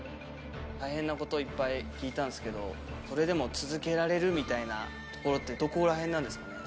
大変なこといっぱい聞いたんですけど、それでも続けられるみたいなところって、どこらへんなんですかね？